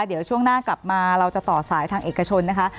เดี๋ยวช่วงหน้ากลับมาเราจะต่อสายทางเอกชนนะคะ